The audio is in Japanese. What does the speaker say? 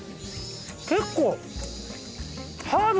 結構。